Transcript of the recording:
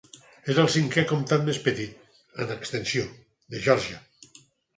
És el cinquè comtat més petit, en extensió, de Georgia.